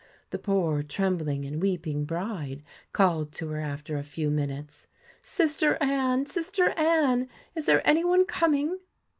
The poor trembling and weeping bride called to her after a few minutes : 'Sister Anne! sister Anne! is there any one coming